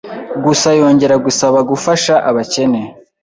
Gusa yongera gusaba gufasha abakene